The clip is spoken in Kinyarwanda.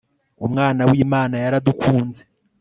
umwana w'imana yaradukunze